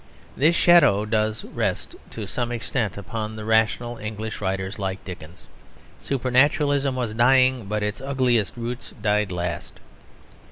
This shadow does rest, to some extent, upon the rational English writers like Dickens; supernaturalism was dying, but its ugliest roots died last.